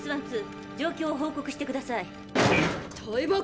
ＤＳ−１２状況を報告してください。